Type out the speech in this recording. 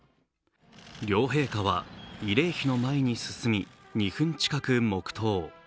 両陛下は慰霊碑の前に進み２分近く黙とう。